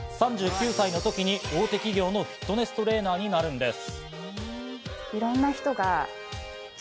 ３９歳のときに大手企業のフィットネストレーナーになるんです。